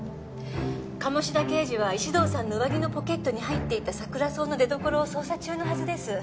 鴨志田刑事は石堂さんの上着のポケットに入っていたサクラソウの出どころを捜査中のはずです。